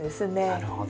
なるほど。